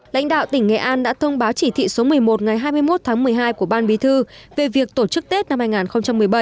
lãnh đạo tỉnh nghệ an đã thông báo chỉ thị số một mươi một ngày hai mươi một tháng một mươi hai của ban bí thư về việc tổ chức tết năm hai nghìn một mươi bảy